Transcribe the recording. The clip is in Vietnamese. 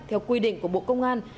theo quy định của bộ công an